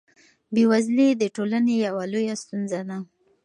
بېوزلي د ټولنې یوه لویه ستونزه ده.